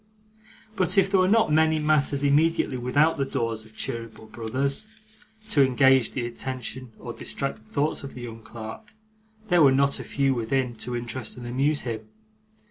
But if there were not many matters immediately without the doors of Cheeryble Brothers, to engage the attention or distract the thoughts of the young clerk, there were not a few within, to interest and amuse him.